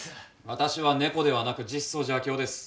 私は猫ではなく実相寺昭雄です。